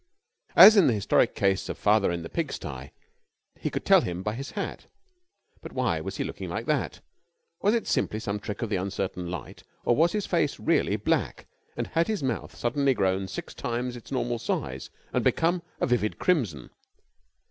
As in the historic case of father in the pigstye, he could tell him by his hat. But why was he looking like that? Was it simply some trick of the uncertain light, or was his face really black and had his mouth suddenly grown to six times its normal size and become a vivid crimson?